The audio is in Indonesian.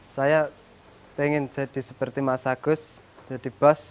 saya ingin jadi seperti mas agus jadi bos